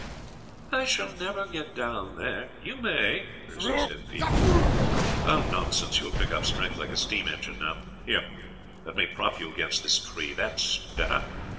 "I shall never get down there; you may," Percy said feebly. "Oh, nonsense, you will pick up strength like a steam engine now. Here, let me prop you against this tree. That's better.